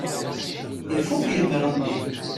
Ifukk yemru-nni.